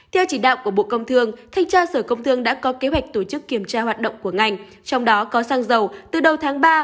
theo chỉ đạo của bộ công thương thanh tra sở công thương đã có kế hoạch tổ chức kiểm tra hoạt động của ngành trong đó có xăng dầu từ đầu tháng ba